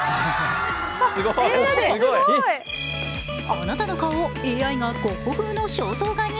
あなたの顔をＡＩがゴッホ風の肖像画に。